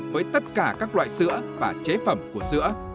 và các loại sữa và chế phẩm của sữa